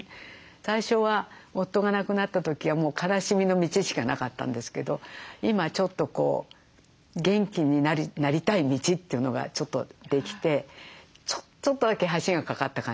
最初は夫が亡くなった時はもう悲しみの道しかなかったんですけど今ちょっとこう元気になりたい道というのがちょっとできてちょっとだけ橋が架かった感じ。